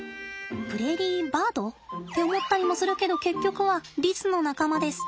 プレーリーバード？って思ったりもするけど結局はリスの仲間です。